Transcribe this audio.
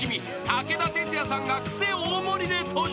武田鉄矢さんがクセ大盛りで登場］